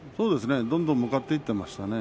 どんどん向かっていきましたね。